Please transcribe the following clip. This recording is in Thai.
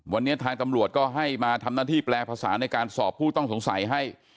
วันนี้ทางตำรวจก็ให้มาทำหน้าที่แปลภาษาในการสอบผู้ต้องสงสัยให้